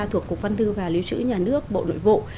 thuộc cục văn thư và lưu trữ nhà nước bộ nội vụ